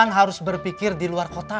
orang harus berpikir di luar kota